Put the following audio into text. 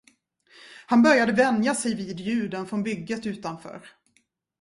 Han började vänja sig vid ljuden från bygget utanför.